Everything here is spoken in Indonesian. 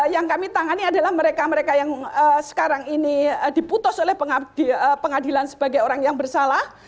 yang kami tangani adalah mereka mereka yang sekarang ini diputus oleh pengadilan sebagai orang yang bersalah